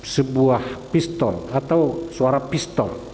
sebuah pistol atau suara pistol